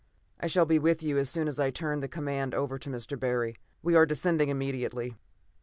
I shall be with you as soon as I turn the command over to Mr. Barry. We are descending immediately."